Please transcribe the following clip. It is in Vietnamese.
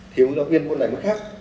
thiếu giáo viên bộ này nó khác